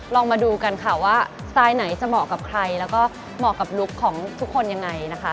ลองมาดูกันค่ะว่าสไตล์ไหนจะเหมาะกับใครแล้วก็เหมาะกับลุคของทุกคนยังไงนะคะ